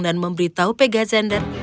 dan memberitahu pegazander